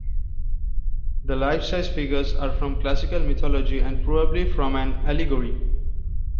The life-size figures are from classical mythology and probably form an allegory.